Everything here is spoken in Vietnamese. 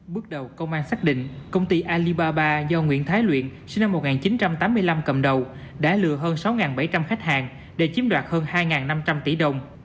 bước đầu công an xác định công ty alibaba do nguyễn thái luyện sinh năm một nghìn chín trăm tám mươi năm cầm đầu đã lừa hơn sáu bảy trăm linh khách hàng để chiếm đoạt hơn hai năm trăm linh tỷ đồng